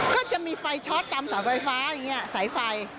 ก็จะมีไฟช็อตตามเสาไฟฟ้าอย่างนี้สายไฟ